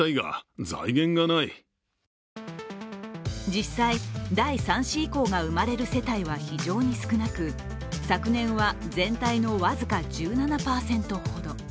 実際、第３子以降が生まれる世帯は非常に少なく昨年は全体の僅か１７％ほど。